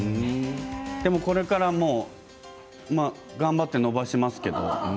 でもこれから頑張って伸ばしますけど。